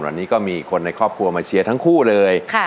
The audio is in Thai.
วันนี้ก็มีคนในครอบครัวมาเชียร์ทั้งคู่เลย